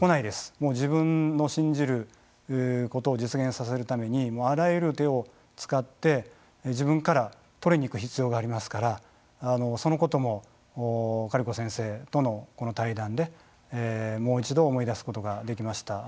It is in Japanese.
もう自分の信じることを実現させるためにあらゆる手を使って自分から取りに行く必要がありますからそのこともカリコ先生とのこの対談でもう一度思い出すことができました。